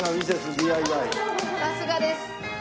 さすがです。